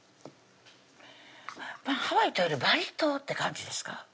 ハワイというよりバリ島って感じですか